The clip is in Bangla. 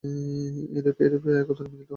এইরূপে দুই শিবির একত্র মিলিত হইল।